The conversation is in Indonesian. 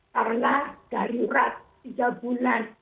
karena dari rat tiga bulan